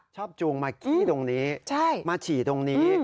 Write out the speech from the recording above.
จูงมากี้ตรงนี้มาฉี่ตรงนี้